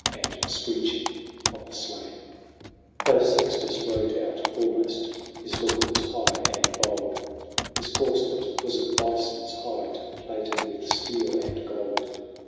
And screeching of the slain. XV. False Sextus rode out foremost ; His look was high and bold ; His corslet was of bison's hide. Plated with steel and gold.